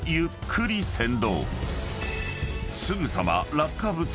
［すぐさま］